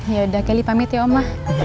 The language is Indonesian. yaudah kelly pamit ya oma